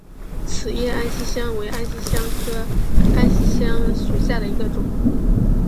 齿叶安息香为安息香科安息香属下的一个种。